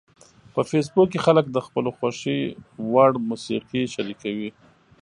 په فېسبوک کې خلک د خپلو خوښې وړ موسیقي شریکوي